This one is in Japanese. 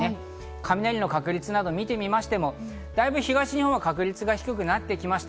雷の確率を見てみましても東日本は確率が低くなってきました。